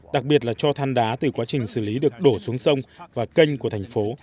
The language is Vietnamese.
đặc biệt là cho than đá từ quá trình xử lý được đổ xuống sông và kênh của thành phố